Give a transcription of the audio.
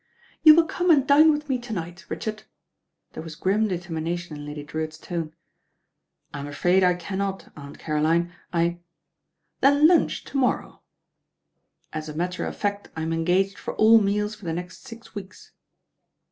"You will come and dine with me to night, Rich ard. ' There was grim determination in Udy Drewitt's tone. "F"^ *^"*d I cannot. Aunt Caroline, I "Then lunch to morrow." "As a matter of fact I am engaged for all meals for the next six weeks."